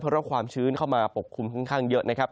เพราะว่าความชื้นเข้ามาปกคลุมค่อนข้างเยอะนะครับ